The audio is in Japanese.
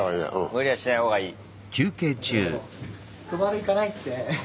無理はしないほうがいい。